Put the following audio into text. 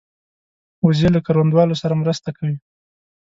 وزې له کروندهوالو سره مرسته کوي